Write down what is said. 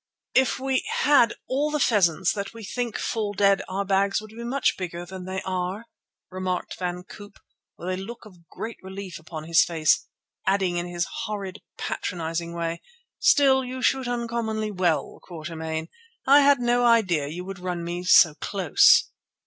"If we had all the pheasants that we think fall dead our bags would be much bigger than they are," remarked Van Koop, with a look of great relief upon his face, adding in his horrid, patronizing way: "Still, you shot uncommonly well, Quatermain. I'd no idea you would run me so close."